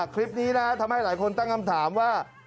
คลิปนี้นะทำให้หลายคนตั้งคำถามว่า